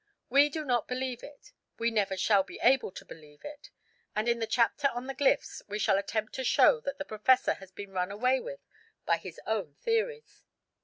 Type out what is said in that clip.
We do not believe it, we never shall be able to believe it; and in the chapter on the glyphs we shall attempt to show that the Professor has been run away with by his own theories.